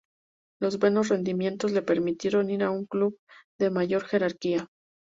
Los buenos rendimientos, le permitieron ir a un club de mayor jerarquía.